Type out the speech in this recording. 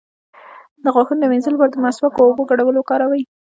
د غاښونو د مینځلو لپاره د مسواک او اوبو ګډول وکاروئ